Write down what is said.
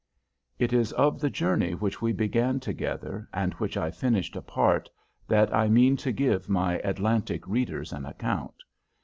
It is of the journey which we began together, and which I finished apart, that I mean to give my "Atlantic" readers an account.